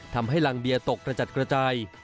ทำให้รังเบียตกกระจัดกระจาย